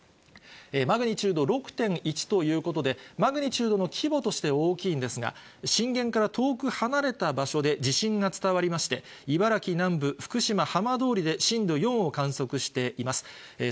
マグニチュード６．１ということで、マグニチュードの規模として大きいんですが、震源から遠く離れた場所で、地震が伝わりまして、茨城南部、福島浜通りで震度４を観測しています。